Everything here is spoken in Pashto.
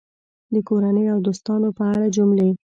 د کورنۍ او دوستانو په اړه جملې